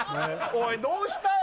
おいどうしたよ？